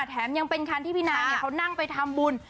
แถมยังเป็นคันที่พี่นางเขานั่งไปทำบุญ